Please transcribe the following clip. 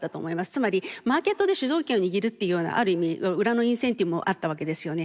つまりマーケットで主導権を握るっていうようなある意味裏のインセンティブもあったわけですよね。